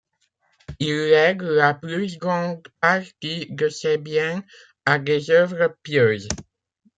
Il lègue la plus grande partie de ses biens à des œuvres pieuses.